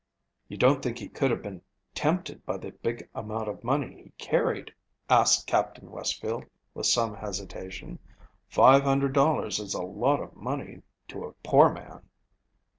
"You don't think he could have been tempted by the big amount of money he carried?" asked Captain Westfield, with some hesitation. "Five hundred dollars is a lot of money to a poor man."